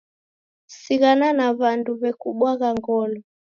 Sighana na w'andu w'ekubwagha ngolo.